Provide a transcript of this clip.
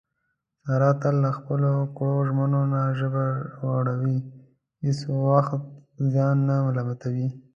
ساره تل له خپلو کړو ژمنو نه ژبه غړوي، هېڅ وخت ځان نه ملامتوي.